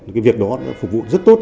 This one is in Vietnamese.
cái việc đó đã phục vụ rất tốt